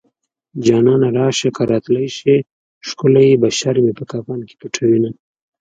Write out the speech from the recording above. جانانه راشه که راتلی شې ښکلی بشر مې په کفن کې پټوينه